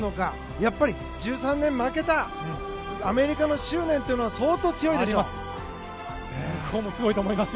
やっぱり、１３年前、負けたアメリカの執念というのはあります。